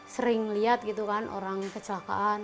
sering lihat gitu kan orang kecelakaan